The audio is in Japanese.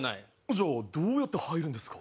じゃあどうやって入るんですか？